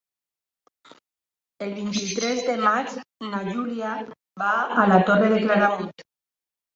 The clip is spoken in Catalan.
El vint-i-tres de maig na Júlia va a la Torre de Claramunt.